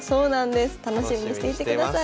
楽しみにしていてください。